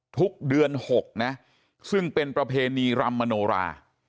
ทุกเดือน๖นะซึ่งเป็นประเพณีรำมโนรา